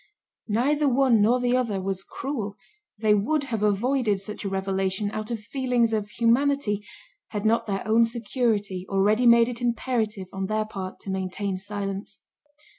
Neither one nor the other was cruel; they would have avoided such a revelation out of feelings of humanity, had not their own security already made it imperative on their part to maintain silence.